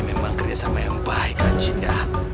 ini memang keren sama yang baik kancik ya